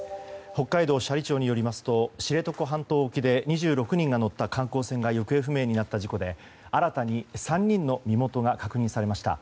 北海道斜里町によりますと知床半島沖で２６人が乗った観光船が行方不明になった事故で新たに３人の身元が確認されました。